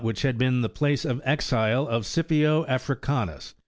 235 which had been the place of exile of Scipio Africanus.